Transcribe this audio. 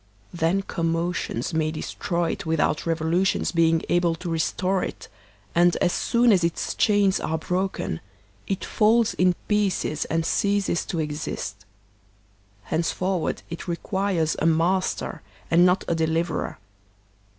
Then commotions may destroy it without revolutions being able to restore it, and as soon as its chains are broken, it falls in pieces and ceases to exist; hencefor ward it requires a master and not a deliverer.